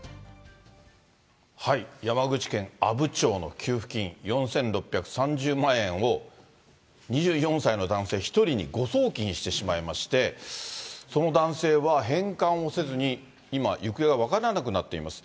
山口県阿武町の給付金４６３０万円を、２４歳の男性１人に誤送金してしまいまして、その男性は返還をせずに今、行方が分からなくなっています。